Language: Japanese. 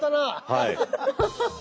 はい。